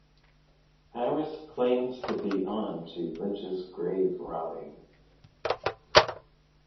Harris claims to be on to Lynch's grave robbing.